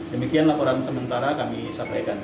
demikian laporan sementara kami sampaikan